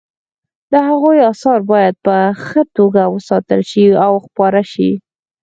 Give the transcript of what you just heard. د هغوی اثار باید په ښه توګه وساتل شي او خپاره شي